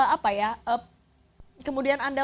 apa ya kemudian anda